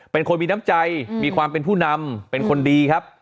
เป็นคนมีน้ำใจมีความเป็นผู้นำเป็นคนดีครับ